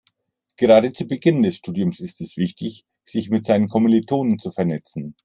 Gerade zu Beginn des Studiums ist es wichtig, sich mit seinen Kommilitonen zu vernetzen.